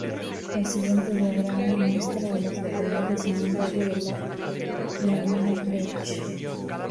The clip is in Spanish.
El siguiente diagrama muestra a las localidades en un radio de de Laguna Beach.